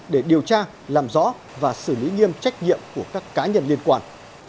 để điều tra làm rõ và xử lý nghiêm trách nhiệm của các cá nhân liên quan